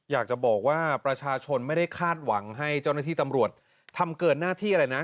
อยากจะบอกว่าประชาชนไม่ได้คาดหวังให้เจ้าหน้าที่ตำรวจทำเกินหน้าที่อะไรนะ